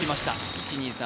１２３